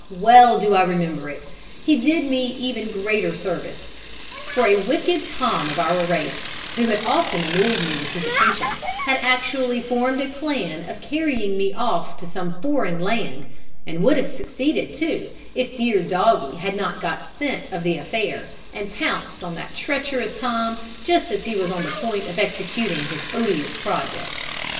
well do I remember it, he did me even greater service; for a wicked Tom of our race, who had often annoyed me with his attentions, had actually formed a plan of carrying me off to some foreign land, and would have succeeded too, if dear Doggy had not got scent of the affair, and pounced on that treacherous Tom just as he was on the point of executing his odious project.